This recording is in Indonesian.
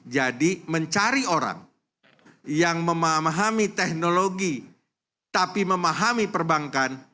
jadi mencari orang yang memahami teknologi tapi memahami perbankan